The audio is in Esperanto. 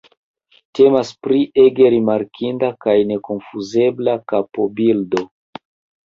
Temas pri ege rimarkinda kaj nekonfuzebla kapobildo.